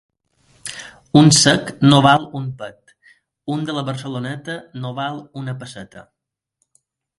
Un sec no val un pet, un de la Barceloneta no val una pesseta.